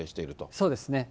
そうですね。